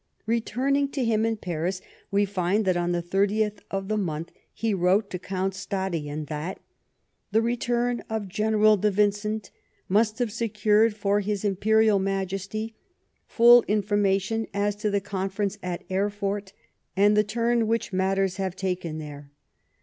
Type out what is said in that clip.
Returning to him in Paris, we find that on the 30th of that month he wa ote to Count Stadion that "tlic return of General de Vincent must have secured for his Imperial Majesty full information as to the conference at Erfurt and the turn * Thiers, ix. 269. TEE EMBASSY TO PABIS. 33 ■whicli matters have taken there.